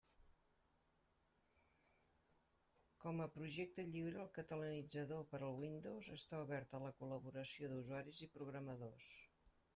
Com a projecte lliure, el Catalanitzador per al Windows està obert a la col·laboració d'usuaris i programadors.